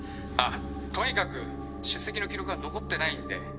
とにかく出席の記録が残ってないんで。